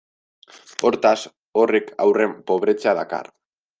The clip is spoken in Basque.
Hortaz, horrek haurren pobretzea dakar.